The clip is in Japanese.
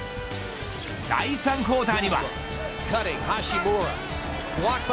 第３クオーターには。